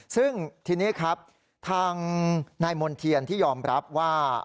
ซึ่งทีนี้ครับทางนายมณ์เทียนที่ยอมรับว่า